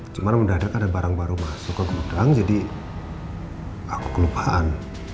cuman mudah mudahan ada barang baru masuk ke gudang jadi aku kelupaan